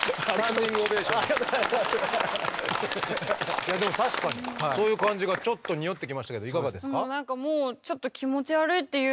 いやでも確かにそういう感じがちょっとにおってきましたけどいかがですか？